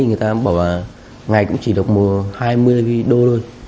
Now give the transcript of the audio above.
người ta bảo là ngày cũng chỉ được mùa hai mươi đô thôi